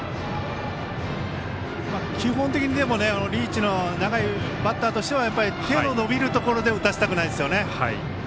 基本的にリーチの長いバッターとしては手の伸びるところで打たせたくないですよね。